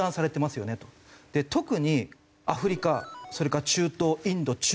特にアフリカそれから中東インド中国。